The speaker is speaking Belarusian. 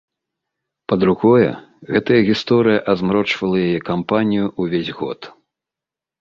Па-другое, гэтая гісторыя азмрочвала яе кампанію ўвесь год.